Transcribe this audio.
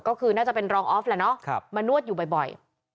ก็คือน่าจะเป็นรองออฟแหละเนาะมานวดอยู่บ่อย